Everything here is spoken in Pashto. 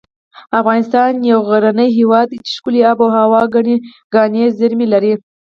افغانستان یو غرنی هیواد دی ښکلي اب هوا او ګڼې کاني زیر مې لري